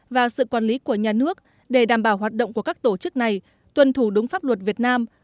và sự quản lý của nhà nước để đảm bảo hoạt động của các tổ chức này tuân thủ đúng pháp luật việt nam